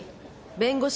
弁護士？